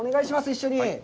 一緒に。